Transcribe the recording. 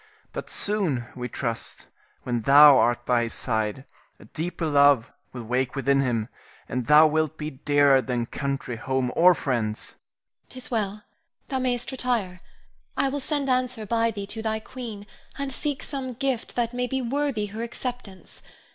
But soon we trust, when thou art by his side, a deeper love will wake within him, and thou wilt be dearer than country, home, or friends. Irene. 'Tis well; thou mayst retire. I will send answer by thee to thy queen, and seek some gift that may be worthy her acceptance.